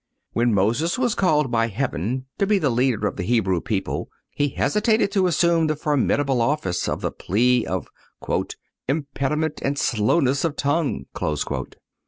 When Moses was called by heaven to be the leader of the Hebrew people he hesitated to assume the formidable office on the plea of "impediment and slowness of tongue."